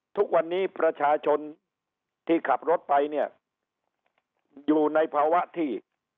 ทุกวันนี้ประชาชนที่ขับรถไปเนี่ยอยู่ในภาวะที่